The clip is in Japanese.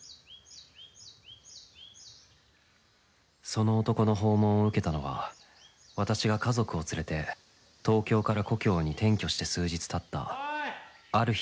その男の訪問を受けたのは私が家族を連れて東京から故郷に転居して数日たったおい！